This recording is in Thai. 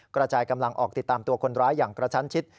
กระจายกำลังออกติดตามตัวคนร้ายอย่างกระชั้นชิด